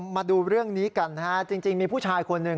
มาดูเรื่องนี้กันนะฮะจริงมีผู้ชายคนหนึ่ง